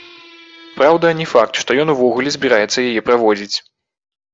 Праўда, не факт, што ён увогуле збіраецца яе праводзіць.